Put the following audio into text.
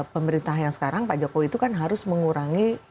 pemerintah yang sekarang pak jokowi itu kan harus mengurangi